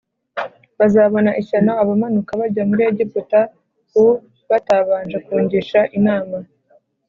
Bazabona ishyano abamanuka bajya muri Egiputa u batabanje kungisha inama